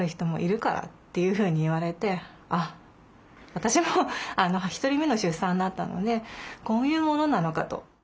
私も１人目の出産だったのでこういうものなのかと。